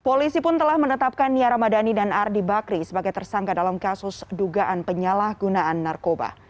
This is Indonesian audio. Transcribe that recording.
polisi pun telah menetapkan nia ramadhani dan ardi bakri sebagai tersangka dalam kasus dugaan penyalahgunaan narkoba